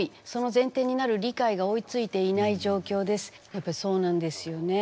やっぱりそうなんですよね。